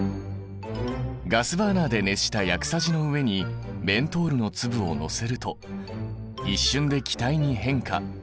ガスバーナーで熱した薬さじの上にメントールの粒をのせると一瞬で気体に変化。